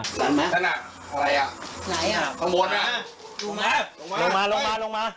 นั่นไหมนั่นอ่ะอะไรอ่ะไหนอ่ะข้างบนอ่ะลงมาลงมาลงมาลงมาลงมา